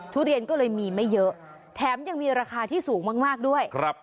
ทุเรียนก็เลยมีไม่เยอะแถมยังมีราคาที่สูงมากด้วย